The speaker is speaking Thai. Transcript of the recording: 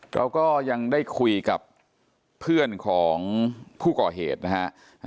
เราก็ยังได้คุยกับเพื่อนของผู้ก่อเหตุนะฮะ